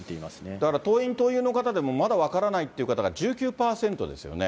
だから党員・党友の方でもまだ分からないっていう方が１９％ですよね。